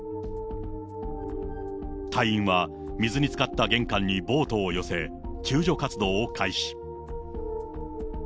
隊員は、水に浸かった玄関にボートを寄せ、救助活動を開始。